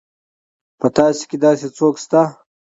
په تاسي کې داسې څوک شته.